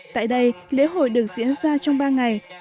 tại đây lễ hội được diễn ra trong ba ngày